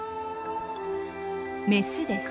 メスです。